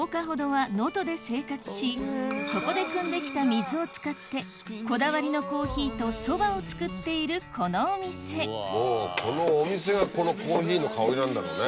そこでくんできた水を使ってこだわりのコーヒーと蕎麦を作っているこのお店もうこのお店がこのコーヒーの香りなんだろうね。